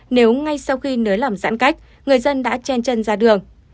nếu ngay sau khi nới lỏng giãn cách người dân đã chen chân ra đường